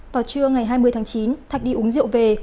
vào trưa ngày hai mươi tháng chín thạch đi uống rượu về